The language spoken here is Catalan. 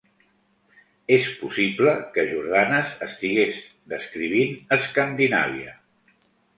És possible que Jordanes estigués descrivint Escandinàvia.